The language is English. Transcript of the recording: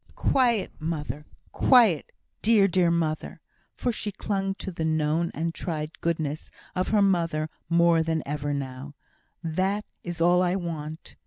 "Quiet, mother! quiet, dear, dear mother" (for she clung to the known and tried goodness of her mother more than ever now), "that is all I want."